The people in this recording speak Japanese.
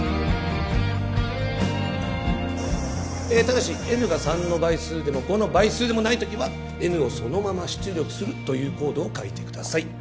ただしＮが３の倍数でも５の倍数でもない時はＮをそのまま出力するというコードを書いてください